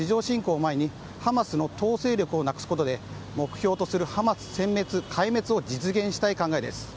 イスラエル軍は地上侵攻を前にハマスの統制力をなくし目標とするハマス殲滅・壊滅を実現した考えです。